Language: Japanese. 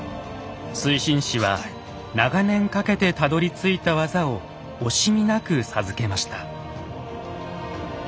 水心子は長年かけてたどりついた技を惜しみなく授けました。